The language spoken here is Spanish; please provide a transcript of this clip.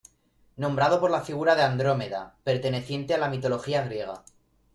Nombrado por la figura de Andrómeda, perteneciente a la Mitología griega.